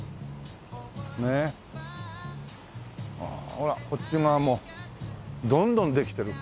ほらこっち側もどんどんできてる。